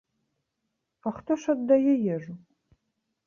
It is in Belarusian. А хто ж аддае ежу?